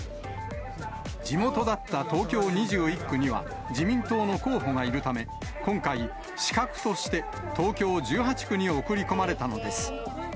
地元だった東京２１区には自民党の候補がいるため、今回、刺客として東京１８区に送り込まれたのです。